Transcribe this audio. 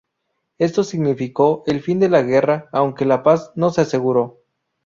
Esto significó el final de la guerra, aunque la paz no se aseguró.